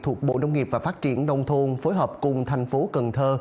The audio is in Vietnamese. thuộc bộ nông nghiệp và phát triển đông thôn phối hợp cùng thành phố cần thơ